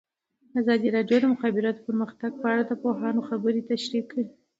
ازادي راډیو د د مخابراتو پرمختګ په اړه د پوهانو څېړنې تشریح کړې.